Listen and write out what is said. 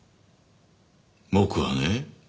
僕はね